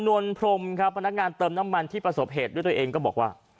นวลพรมครับพนักงานเติมน้ำมันที่ประสบเหตุด้วยตัวเองก็บอกว่า